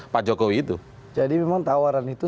pak jokowi itu jadi memang tawaran itu